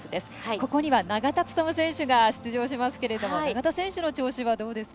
ここには永田務選手が出場しますけれども永田選手の調子はどうですか？